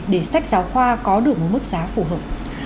để sách giáo khoa có được một mức giá phù hợp